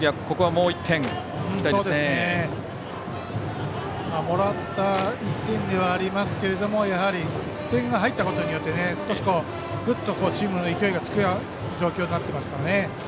もらった１点ではありますけどやはり、点が入ったことによってグッとチームの勢いがつく状況になってますからね。